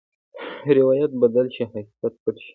روایت بدل شي، حقیقت پټ شي.